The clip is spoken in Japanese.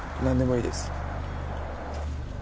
何でもいいです